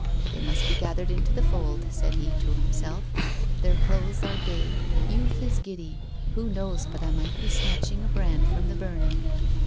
" They must be gathered into the fold," said he to himself—" their clothes are gay, youth is giddy, who knows but I might be snatching a brand from the burning!"